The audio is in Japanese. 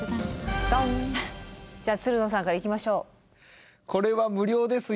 じゃあつるのさんからいきましょう。